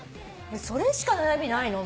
それしか悩みないの？